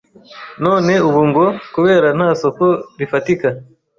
none ubu ngo kubera nta soko rifatika